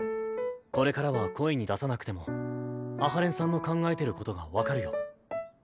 これからは声に出さなくても阿波連さんの考えてることが分かるよ。